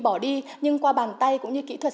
bỏ đi nhưng qua bàn tay cũng như kỹ thuật